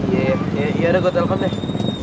yeap ya udah gue telfon deh